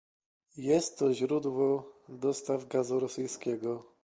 Jest to źródło dostaw gazu rosyjskiego